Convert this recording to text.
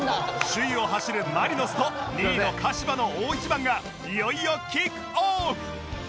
首位を走るマリノスと２位の鹿島の大一番がいよいよキックオフ！